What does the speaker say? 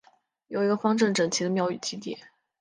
有一个方正整齐的庙区基地。